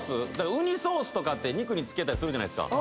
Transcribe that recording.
うにソースとかって肉に付けたりするじゃないですか。